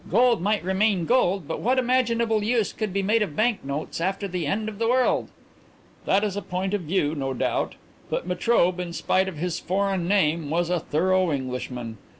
"Gold might remain gold, but what imaginable use could be made of bank notes after the end of the world?" "That is a point of view, no doubt. But Metrobe, in spite of his foreign name, was a thorough Englishman.